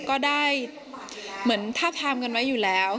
ก็ได้เหมือนทาบทามกันไว้อยู่แล้ว